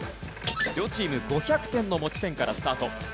両チーム５００点の持ち点からスタート。